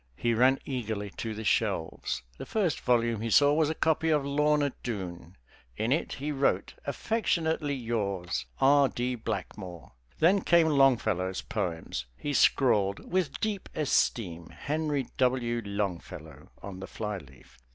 He ran eagerly to the shelves. The first volume he saw was a copy of "Lorna Doone." In it he wrote "Affectionately yours, R. D. Blackmore." Then came Longfellow's poems. He scrawled "With deep esteem, Henry W. Longfellow" on the flyleaf.